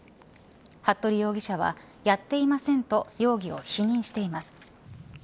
服部容疑者はやっていませんと容疑を否認しています。